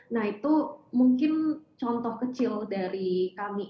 nah itu mungkin contoh kecil dari kami